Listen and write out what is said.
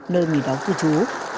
nơi người đóng tù trú